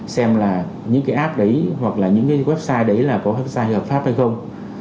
xem là những cái app đấy hoặc là những cái website đấy là có website hợp pháp hay không